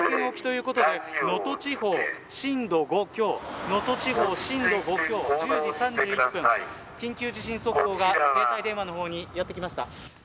新潟県沖ということで能登地方、震度５強１０時３１分緊急地震速報が携帯電話の方にやってきました。